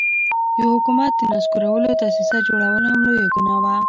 د حکومت د نسکورولو دسیسه جوړول هم لویه ګناه وه.